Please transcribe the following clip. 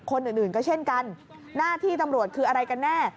คนอื่นก็เช่นกันหน้าที่ตำรวจคืออะไรกันแน่